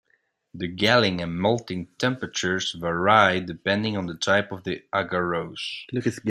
The gelling and melting temperatures vary depending on the type of agarose.